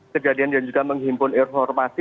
kejadian dan juga menghimpun informasi